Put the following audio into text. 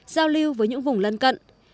giao lưu với những vùng lân cận